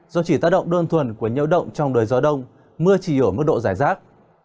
do chỉ tác động đơn thuần của nhiễu động trong đời gió đông mưa chỉ ở mức độ giải rác